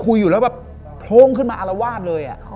คุยอยู่แล้วแบบโพร่งขึ้นมาอารวาสเลย